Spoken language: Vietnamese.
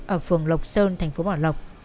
ở phường lộc sơn thành phố bảo lộc